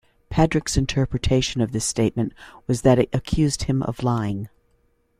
Paddick's interpretation of this statement was that it accused him of lying.